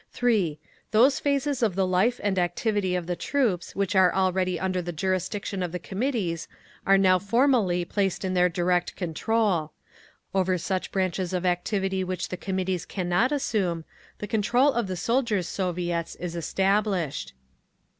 3. Those phases of the life and activity of the troops which are already under the jurisdiction of the Committees are now formally placed in their direct control. Over such branches of activity which the Committees cannot assume, the control of the Soldiers' Soviets is established.